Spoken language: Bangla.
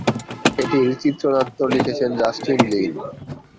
এটির চিত্রনাট্য লিখেছেন জাস্টিন লিন।